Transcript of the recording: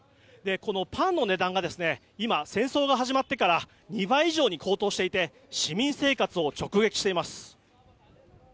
このパンの値段が今、戦争が始まってから２倍以上に高騰していて市民生活を直撃しています。